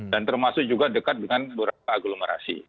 dan termasuk juga dekat dengan beberapa aglomerasi